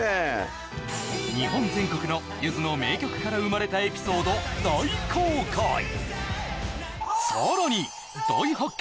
日本全国のゆずの名曲から生まれたエピソード大公開！